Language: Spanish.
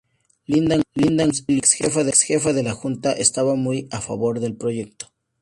Linda Williams, ex jefa de la junta, estaba muy a favor del proyecto.